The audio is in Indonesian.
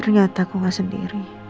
ternyata aku gak sendiri